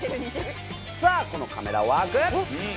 さぁこのカメラワーク。